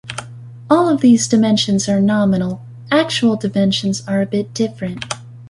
All of these dimensions are nominal; actual dimensions are a bit different.